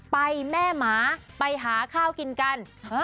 ไปแม่หมาไปหาข้าวกินกัน